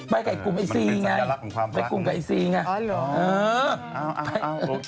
ไปกับกรุงไอซีไงไปกรุงกับไอซีไงมันเป็นสัญลักษณ์ความรัก